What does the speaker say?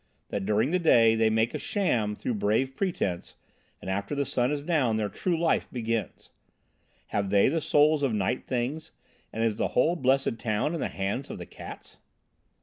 That during the day they make a sham though brave pretence, and after the sun is down their true life begins? Have they the souls of night things, and is the whole blessed town in the hands of the cats?"